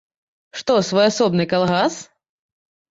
Што, свой асобны калгас?